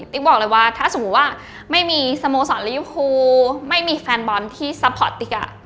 ติ๊กบอกเลยว่าถ้าสมมุติว่าไม่มีสโมสรริวภูไม่มีแฟนบอลที่ซัพพอร์ตติก